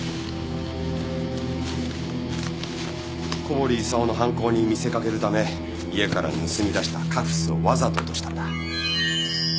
小堀功の犯行に見せかけるため家から盗み出したカフスをわざと落としたんだ。